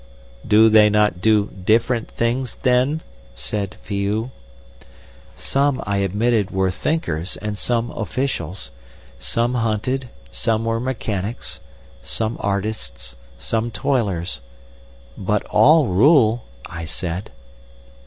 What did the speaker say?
"'Do they not do different things, then?' said Phi oo. "Some, I admitted, were thinkers and some officials; some hunted, some were mechanics, some artists, some toilers. 'But all rule,' I said.